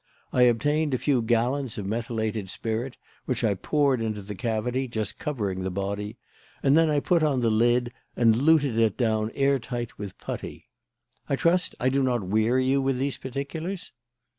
I obtained a few gallons of methylated spirit which I poured into the cavity, just covering the body, and then I put on the lid and luted it down air tight with putty. I trust I do not weary you with these particulars?"